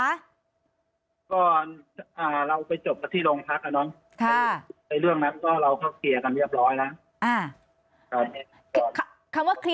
เราไปจบที่รงพัก